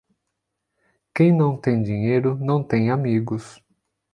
Quem não tem dinheiro, não tem amigos.